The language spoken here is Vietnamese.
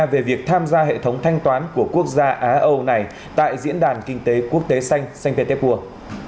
về việc tham gia hệ thống thanh toán của quốc gia á âu này tại diễn đàn kinh tế quốc tế xanh cntép urg